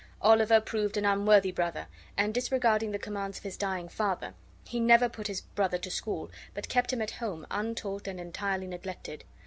Oliver proved an unworthy brother, and, disregarding the commands of his dying father, he never put his brother to school, but kept him at home untaught and entirely neglected.